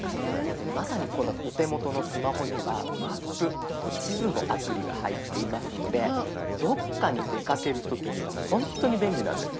まさにこのお手元のスマホには「マップ」地図のアプリが入っていますのでどっかに出かける時にはほんとに便利なんです。